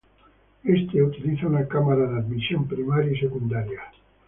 Este utiliza una cámara de admisión primaria y secundaria.